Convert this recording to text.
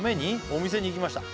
「お店に行きました」